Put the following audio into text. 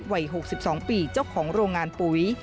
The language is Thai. วัย๖๒ปีเจ้าของโรงงานปุ๋ย